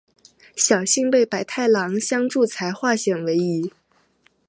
侥幸被百太郎相助才化险为夷。